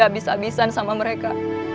abis abisan sama mereka